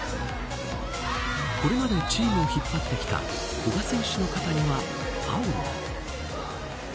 これまでチームを引っ張ってきた古賀選手の肩にはタオルが。